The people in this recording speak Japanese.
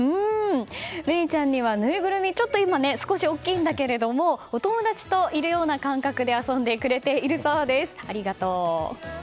芽郁ちゃんには、ぬいぐるみちょっと大きいんだけれどもお友達といるような感覚で遊んでくれているそうです。